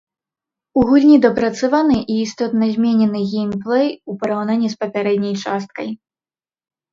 У гульні дапрацаваны і істотна зменены геймплэй у параўнанні з папярэдняй часткай.